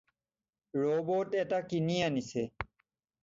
Robot এটা কিনি আনিছে।